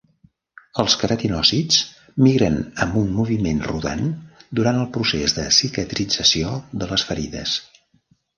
Els queratinòcits migren amb un moviment rodant durant el procés de cicatrització de les ferides.